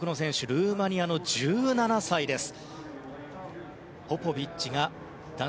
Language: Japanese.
ルーマニアの１７歳です。